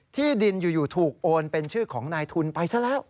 ที่ดินอยู่ถูกโอนเป็นชื่อของนายทุนไปซะแล้ว